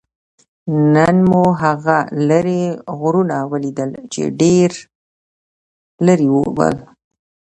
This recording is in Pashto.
نن مو هغه لرې غرونه ولیدل؟ چې ډېر لرې ول.